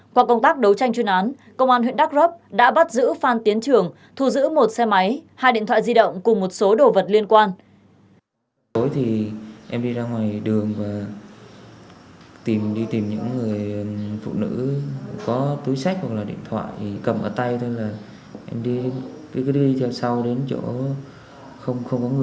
qua công tác đấu tranh chuyên án công an huyện đắc rớp đã bắt giữ phan tiến trường thu giữ một xe máy hai điện thoại di động cùng một số đồ vật liên quan